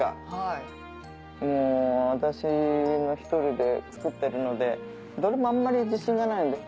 もう私が１人で作ってるのでどれもあんまり自信がないんです。